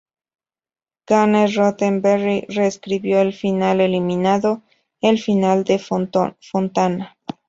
Gene Roddenberry reescribió el final eliminando el final de Fontana.